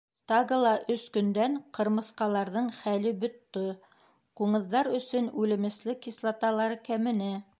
Тагы ла өс көндән ҡырмыҫҡаларҙың хәле бөтто, ҡуңыҙҙар өсөн үлемесле кислоталары кәмене.